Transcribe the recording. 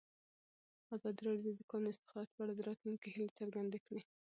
ازادي راډیو د د کانونو استخراج په اړه د راتلونکي هیلې څرګندې کړې.